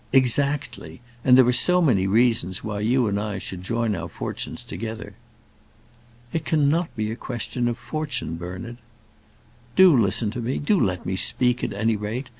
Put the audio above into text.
"Exactly. And there are so many reasons why you and I should join our fortunes together." "It cannot be a question of fortune, Bernard." "Do listen to me. Do let me speak, at any rate.